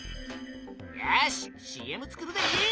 よしＣＭ作るで！